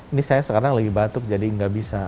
ini saya sekarang lagi batuk jadi nggak bisa